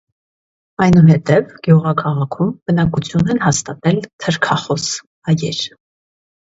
Այնուհետև գյուղաքաղաքում բնակություն են հաստատել թրքախոս հայեր։